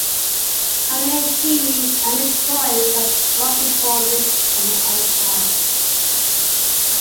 Han Leia, Chewie, and the droids are brought before Luke and the Emperor.